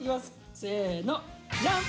せのじゃん！